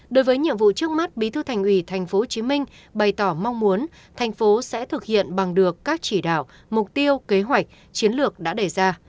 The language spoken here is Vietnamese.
đối với nhiệm vụ trước mắt bí thư thành ủy tp hcm bày tỏ mong muốn thành phố sẽ thực hiện bằng được các chỉ đạo mục tiêu kế hoạch chiến lược đã đề ra